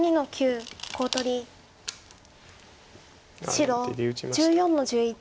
白１４の十一。